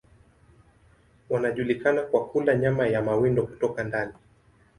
Wanajulikana kwa kula nyama ya mawindo kutoka ndani.